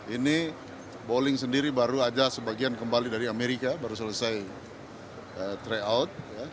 ini bowling sendiri baru saja sebagian kembali dari amerika baru selesai tryout